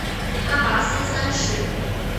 阿拔斯三世。